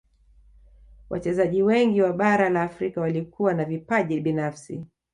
wachezaji wengi wa bara la afrika walikuwa na vipaji binafsi